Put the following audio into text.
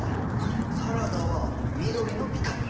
サラダは緑のビタミン。